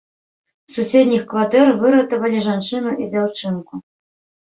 З суседніх кватэр выратавалі жанчыну і дзяўчынку.